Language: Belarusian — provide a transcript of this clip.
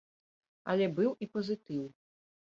Але быў і пазітыў.